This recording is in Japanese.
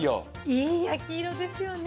いい焼き色ですよね。